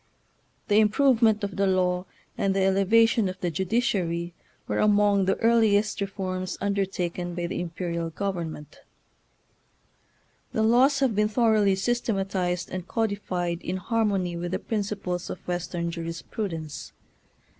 The improvement of the law and the elevation of the judiciary were among the earliest reforms undertaken by the imperial government. The laws have THE NEW JAPAN. 895 been thoroughly systematized and codi fied in harmony with the principles of Western jurisprudence.